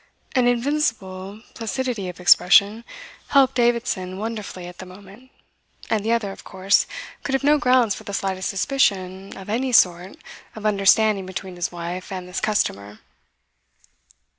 An invincible placidity of expression helped Davidson wonderfully at the moment, and the other, of course, could have no grounds for the slightest suspicion of any sort of understanding between his wife and this customer.